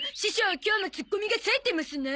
今日もツッコミがさえてますなあ。